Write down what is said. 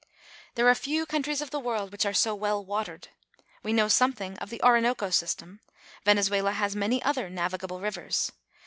There are few countries of the world which are so well watered. We know something of the Orinoco system. Venezuela has many other navigable rivers.